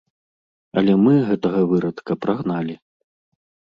Але мы гэтага вырадка прагналі.